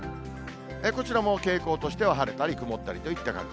こちらも傾向としては晴れたり曇ったりといった感じ。